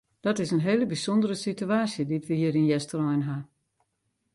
Dat is in hele bysûndere situaasje dy't we hjir yn Easterein ha.